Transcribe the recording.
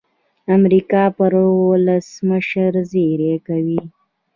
امریکا پر ولسمشر زېری کوي.